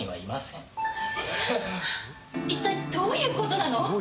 一体どういうことなの？